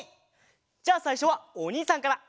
じゃあさいしょはおにいさんから！